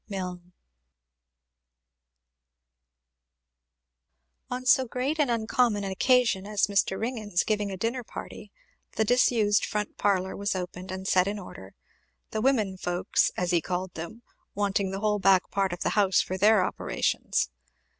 Milnes. On so great and uncommon an occasion as Mr. Ringgan's giving a dinner party the disused front parlour was opened and set in order; the women folks, as he called them, wanting the whole back part of the house for their operations.